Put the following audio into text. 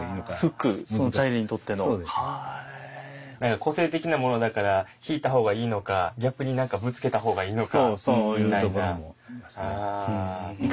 個性的なものだから引いた方がいいのか逆に何かぶつけた方がいいのかみたいな。